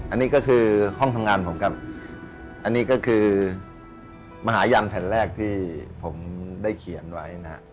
อันนี้ก็คือห้องทำงานผมกับอันนี้ก็คือมหายันแผ่นแรกที่ผมได้เขียนไว้นะฮะ